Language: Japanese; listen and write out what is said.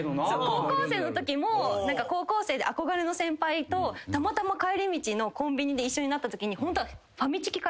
高校生のときも高校生で憧れの先輩とたまたま帰り道のコンビニで一緒になったときにホントは。